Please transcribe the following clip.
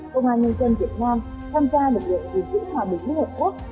công an nhân dân việt nam tham gia lực lượng giữ hòa bình với hợp quốc